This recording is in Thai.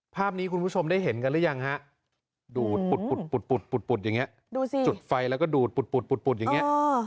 ภาพนี้คุณผู้ชมได้เห็นกันหรือยังฮะดูดปุดอย่างนี้ดูสิจุดไฟแล้วก็ดูดปุดอย่างนี้